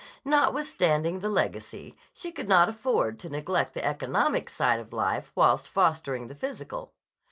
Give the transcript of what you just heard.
Notwithstanding the legacy, she could not afford to neglect the economic side of life whilst fostering the physical.